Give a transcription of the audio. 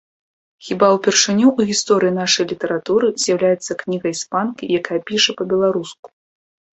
Хіба ўпершыню ў гісторыі нашай літаратуры з'яўляецца кніга іспанкі, якая піша па-беларуску.